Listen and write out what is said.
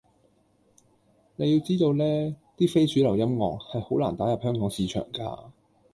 你要知道呢，啲非主流音樂，係好難打入香港市場㗎